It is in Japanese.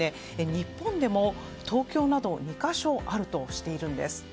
日本でも東京など２か所あるとしているんです。